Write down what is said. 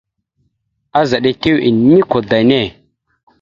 Azaɗ etew enikwada enne.